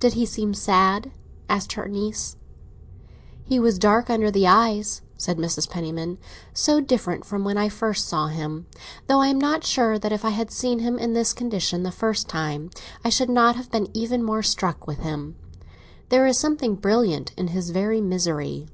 "Did he seem sad?" asked her niece. "He was dark under the eyes," said Mrs. Penniman. "So different from when I first saw him; though I am not sure that if I had seen him in this condition the first time, I should not have been even more struck with him. There is something brilliant in his very misery."